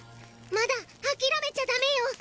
まだあきらめちゃダメよ！